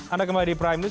anda kembali di prime news